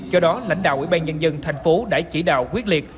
do đó lãnh đạo ủy ban nhân dân thành phố đã chỉ đạo quyết liệt